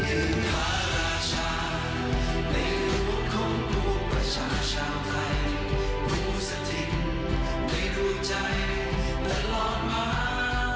ท่านคือพระราชาในรุ่นของภูมิประชาชาไทยภูมิสฤทธิ์ในหัวใจและรอดมา